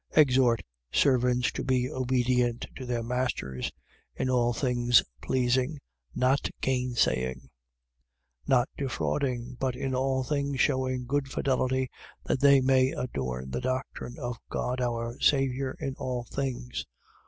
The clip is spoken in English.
2:9. Exhort servants to be obedient to their masters: in all things pleasing, not gainsaying: 2:10. Not defrauding, but in all things shewing good fidelity, that they may adorn the doctrine of God our Saviour in all things.